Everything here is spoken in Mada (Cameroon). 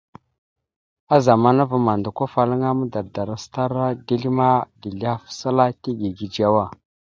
A zamana ava mandako, afalaŋa madardar acətara dezl ma, dezl ahaf səla tidze gidzewa.